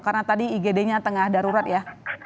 karena tadi igd nya tengah darurat ya